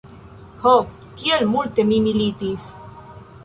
Ho, kiel multe mi militis!